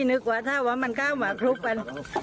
เจ๊นึกว่าถ้ามันกล้ามหวังลูกกัน